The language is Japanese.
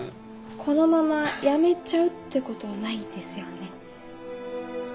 このまま辞めちゃうってことないですよね。